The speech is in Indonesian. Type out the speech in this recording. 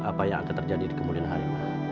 apa yang akan terjadi di kemudian hari